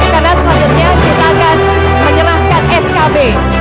karena selanjutnya kita akan menyerahkan skb